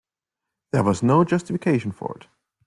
There was no justification for it.